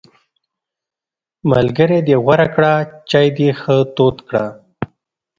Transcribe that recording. ملګری دې غوره کړه، چای دې ښه تود کړه!